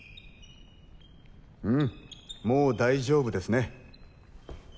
うんもう大丈夫ですね。